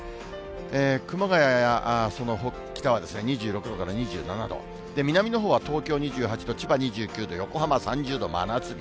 熊谷やその北は２６度から２７度、南のほうは東京２８度、千葉２９度、横浜３０度、真夏日。